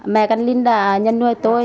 mẹ căn linh đã nhân nuôi tôi